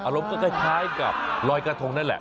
อารมณ์ก็คล้ายกับลอยกระทงนั่นแหละ